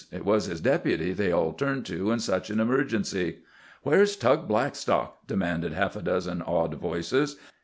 It was his deputy they all turned to in such an emergency. "Where's Tug Blackstock?" demanded half a dozen awed voices.